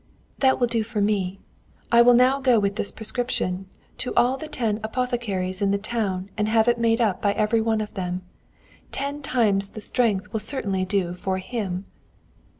"That will do for me. I will now go with this prescription to all the ten apothecaries in the town and have it made up by every one of them. _Ten times the strength will certainly do for him.